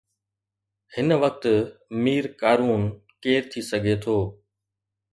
هن وقت مير ڪارون ڪير ٿي سگهي ٿو؟